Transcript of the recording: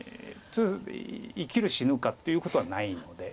生きる死ぬかっていうことはないので。